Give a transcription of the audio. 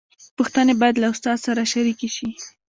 پوښتنې باید له استاد سره شریکې شي.